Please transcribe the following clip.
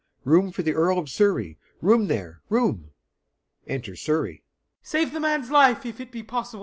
Room for the Earl of Surrey, room there, room!'.] [Enter Surrey.] SURREY. Save the man's life, if it be possible.